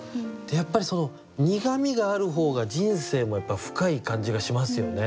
やっぱりその苦みがある方が人生も深い感じがしますよね。